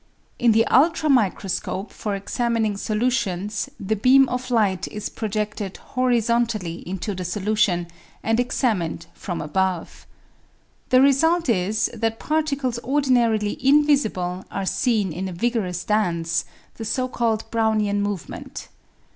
In the ultra microscope for examining solutions the beam of light is projected horizontally into the solution and examined from above. The result is that particles ordinarily in visible are seen in a vigorous dance, the so called Brownian move ment.